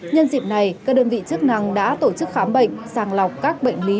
nhân dịp này các đơn vị chức năng đã tổ chức khám bệnh sàng lọc các bệnh lý